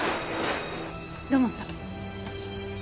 土門さん。